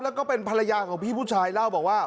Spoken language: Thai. แล้วก็เป็นภรรยาของพี่ผู้ชายเล่าบอกว่า